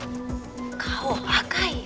顔赤いよ！